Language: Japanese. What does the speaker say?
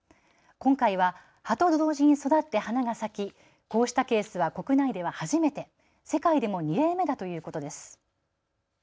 今回は葉と同時に育って花が咲きこうしたケースは国内では初めて、世界でも２例目だということです。